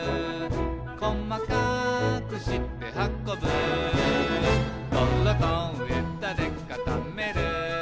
「こまかくしてはこぶ」「どろとえだでかためる」